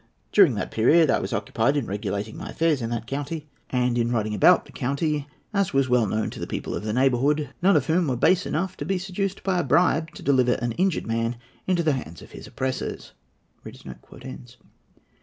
During that period I was occupied in regulating my affairs in that county, and in riding about the county, as was well known to the people of the neighbourhood, none of whom were base enough to be seduced by a bribe to deliver an injured man into the hands of his oppressors."